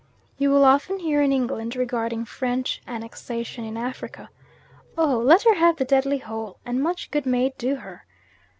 You will often hear in England regarding French annexation in Africa, "Oh! let her have the deadly hole, and much good may it do her."